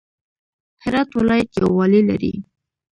هر ولایت یو والی لري